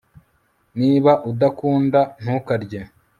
Niba udakunda ntukarye